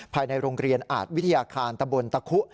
ภายในโรงเรียนอาจวิทยาคารตะบนตะคุ